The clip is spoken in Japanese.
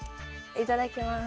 いただきます！